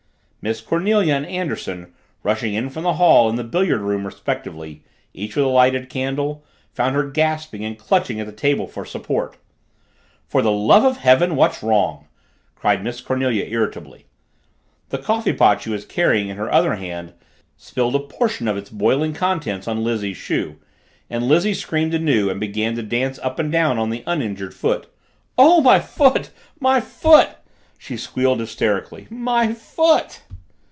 Miss Cornelia and Anderson, rushing in from the hall and the billiard room respectively, each with a lighted candle, found her gasping and clutching at the table for support. "For the love of heaven, what's wrong?" cried Miss Cornelia irritatedly. The coffeepot she was carrying in her other hand spilled a portion of its boiling contents on Lizzie's shoe and Lizzie screamed anew and began to dance up and down on the uninjured foot. "Oh, my foot my foot!" she squealed hysterically. "My foot!"